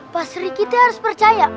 pak sri kitty harus percaya